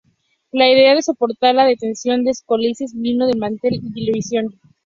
La idea de soportar la detección de colisiones vino de la Mattel Intellivision.